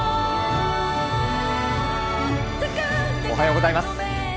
おはようございます。